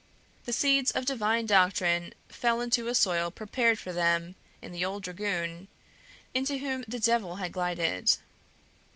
The seeds of divine doctrine fell into a soil prepared for them in the old dragoon, into whom the Devil had glided.